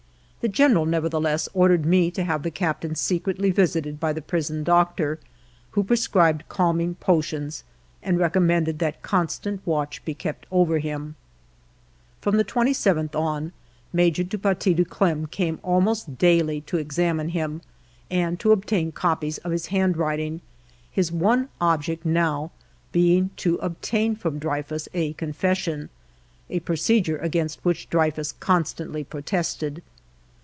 The General, never theless, ordered me to have the Captain secretly visited by the prison doctor, who prescribed calming potions and recommended that constant watch be kept over him. From the 27th on. Major du Paty de Clam came almost daily to examine him and to obtain copies of his handwriting, his one object now being to obtain from Dreyfus a confession, a procedure against which Drey fus constantly protested.